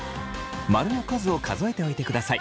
○の数を数えておいてください。